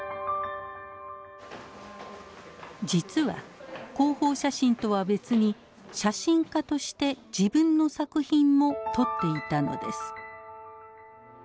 実は広報写真とは別に写真家として自分の作品も撮っていたのです。